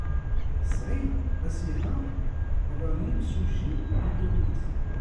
Sɛiɣ asihaṛ ɣer yimsujji n tuɣmas.